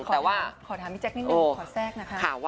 แต่ว่าขอสั้นพี่แจ๊คนิดหนึ่งหนึ่ง